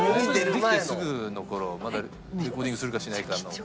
できてすぐの頃まだレコーディングするかしないかの頃。